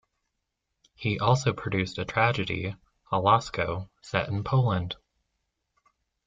He also produced a tragedy, "Alasco", set in Poland.